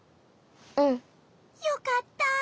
うん。よかった。